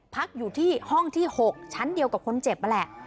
พักอยู่ที่ห้องที่๖ชั้นเดียวกับคนเจ็บนั่นแหละ